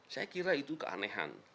saya kira itu keanehan